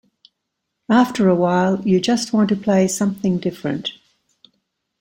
After a while you just want to play something different.